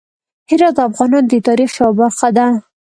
هرات د افغانانو د تاریخ یوه برخه ده.